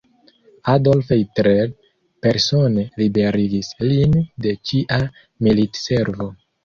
Adolf Hitler persone liberigis lin de ĉia militservo.